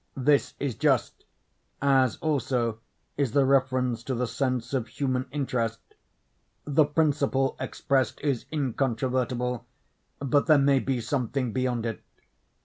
This is just; as also is the reference to the sense of human interest. The principle expressed is incontrovertible—but there may be something beyond it.